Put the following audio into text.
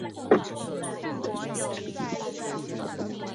琉球管须蟹为管须蟹科管须蟹属下的一个种。